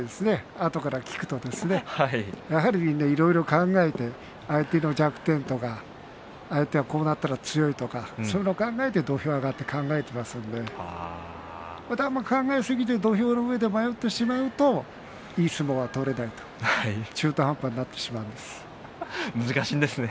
あとから聞くとやはりみんないろいろ考えて相手の弱点とか相手はこうなったら強いとかそういうことを考えて土俵に上がっていますのでふだん考えすぎて土俵の上で迷ってしまうといい相撲が取れない難しいですね。